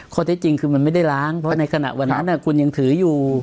ข้อเท็จจริงคือมันไม่ได้ล้างเพราะในขณะวันนั้นคุณยังถืออยู่